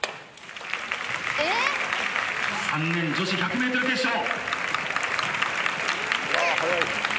３年女子１００ｍ決勝。